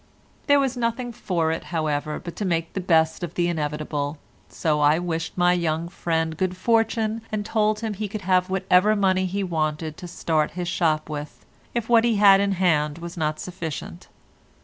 There was nothing for it, however, but to make the best of the inevitable, so I wished my young friend good fortune, and told him he could have whatever money he wanted to start his shop with, if what he had in hand was not sufficient.